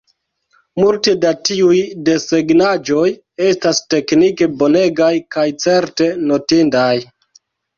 Multe da tiuj desegnaĵoj estas teknike bonegaj kaj certe notindaj.